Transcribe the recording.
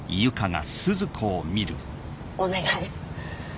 お願い！